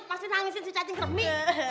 masih nangisin si cacing kermi